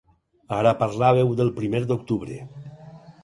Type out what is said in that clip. Ara parlàveu del primer d’octubre.